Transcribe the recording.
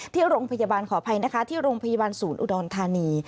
ที่โรงพยาบาลขออภัยนะคะที่โรงพยาบาลศูนย์อุดรธานี